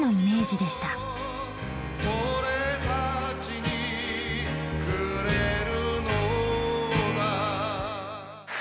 「俺たちにくれるのだ」